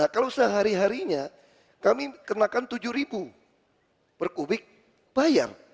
kalau sehari harinya kami kenakan tujuh ribu per kubik bayar